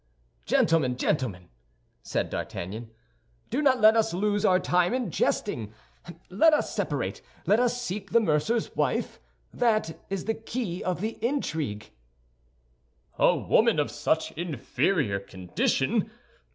"Gentlemen, gentlemen," said D'Artagnan, "do not let us lose our time in jesting. Let us separate, and let us seek the mercer's wife—that is the key of the intrigue." "A woman of such inferior condition!